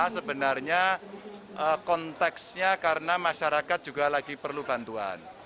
sebenarnya konteksnya karena masyarakat juga lagi perlu bantuan